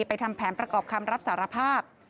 ทำแผนประกอบคำรับสารภาพ